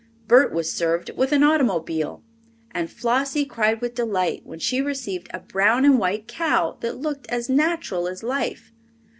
Bert was served with an automobile, and Flossie cried with delight when she received a brown and white cow that looked as natural as life.